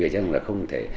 vậy chắc là không thể